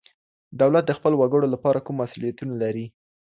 دولت د خپلو وګړو لپاره کوم مسؤوليتونه لري؟